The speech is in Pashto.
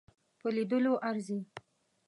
په لیدلو ارزي.